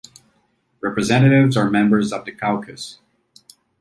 Representatives are members of the caucus.